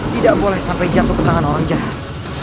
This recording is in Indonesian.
tidak boleh sampai jatuh ke tangan orang jahat